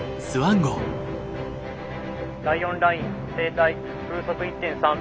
「第４ライン正対風速１．３」。